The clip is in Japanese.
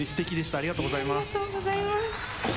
ありがとうございます。